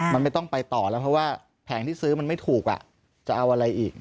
มันไม่ต้องไปต่อแล้วเพราะว่าแผงที่ซื้อมันไม่ถูกจะเอาอะไรอีก